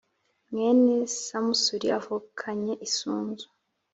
mwene samusuri avukanye isunzu